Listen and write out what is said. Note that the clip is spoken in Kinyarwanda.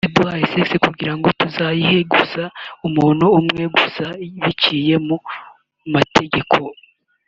yaduhaye sex kugirango tuzayihe gusa umuntu umwe gusa biciye mu mategeko